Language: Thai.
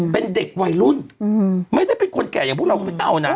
เป็นเด็กวัยรุ่นไม่ได้เป็นคนแก่อย่างพวกเราก็ไม่เอานะ